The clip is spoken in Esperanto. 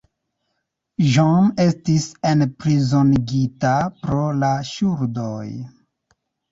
John estis enprizonigita pro la ŝuldoj.